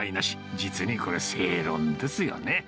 実にこれ、正論ですよね。